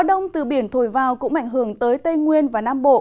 đông từ biển thổi vào cũng ảnh hưởng tới tây nguyên và nam bộ